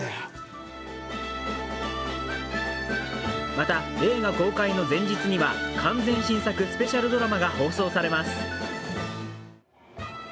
また映画公開の前日には完全新作、スペシャルドラマが放送されます。